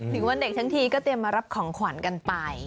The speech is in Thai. ถึงวันเด็กทั้งทีก็เตรียมมารับของขวัญกันไป